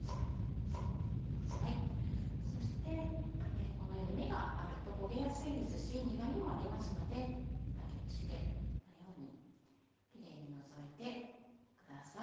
そしてこのように芽があると焦げやすいですし苦味もありますので竹串でこのようにキレイに除いてください。